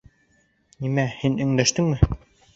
Нимә, һин өндәштеңме?